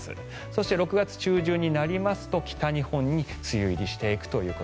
そして６月中旬になりますと北日本が梅雨入りしていくと。